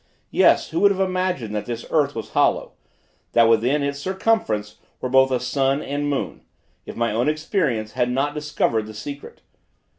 Yes, who would have imagined that this earth was hollow; that within its circumference were both a sun and moon, if my own experience had not discovered the secret?